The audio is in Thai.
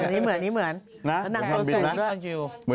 นี่เหมือนนี่เหมือนน่ะนั่งตอนเสร็จด้วย